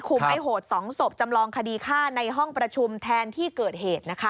ไอ้โหด๒ศพจำลองคดีฆ่าในห้องประชุมแทนที่เกิดเหตุนะคะ